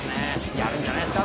やるんじゃないですか？